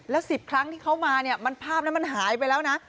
แล้ว๑๐ครั้งที่เขามาเนี่ยมันภาพนั้นมันหายไปแล้วนะ